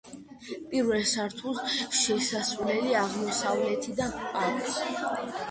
პირველ სართულს შესასვლელი აღმოსავლეთიდან აქვს.